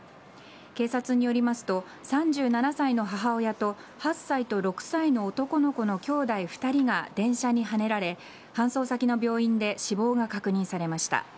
警察によりますと３７歳の母親と８歳と６歳の男の子の兄弟２人が電車にはねられ搬送先の病院で死亡が確認されました。